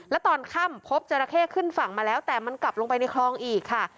แล้วตอนค่ำพบจราเข้ขึ้นฝั่งมาแล้วแต่มันกลับลงไปในคลองอีกค่ะ